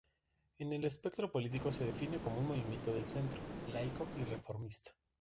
En el espectro político se define como un movimiento de centro, laico y reformista.